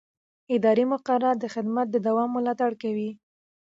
اداري مقررات د خدمت د دوام ملاتړ کوي.